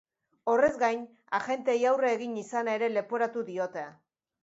Horrez gain, agenteei aurre egin izana ere leporatu diote.